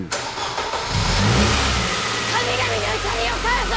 神々の怒りを買うぞ。